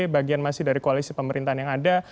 bagian masih dari koalisi pemerintahan yang ada